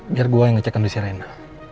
biar gue yang ngecek kondisi rena